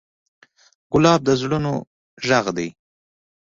ګلاب د زړونو غږ دی.